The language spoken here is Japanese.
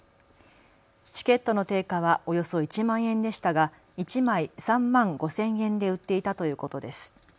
チケットの定価はおよそ１万円でしたが１枚３万５０００円で売っていたということです。